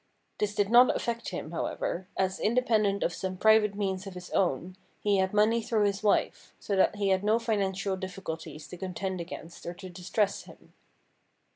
This did not affect him, however, as, independent of some private means of his own, he had money through his wife, so that he had no financial difficulties to contend against or to distress him.